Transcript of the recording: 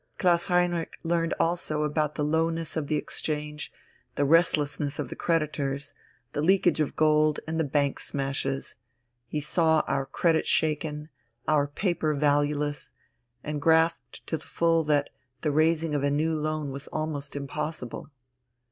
Klaus Heinrich learned also about the lowness of the Exchange, the restlessness of the creditors, the leakage of gold, and the bank smashes; he saw our credit shaken, our paper valueless, and grasped to the full that the raising of a new loan was almost impossible.